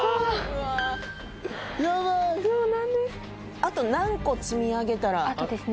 あと何個積み上げたら。